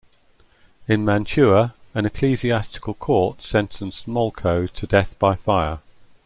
In Mantua an ecclesiastical court sentenced Molcho to death by fire.